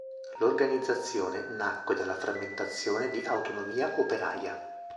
L'organizzazione nacque dalla frammentazione di Autonomia Operaia.